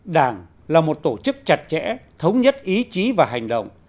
đảng là một tổ chức chặt chẽ thống nhất ý chí và hành động